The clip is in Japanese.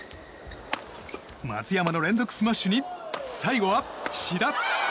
松山の連続スマッシュに最後は志田！